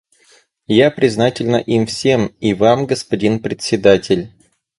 Я признательна им всем, и Вам, господин Председатель.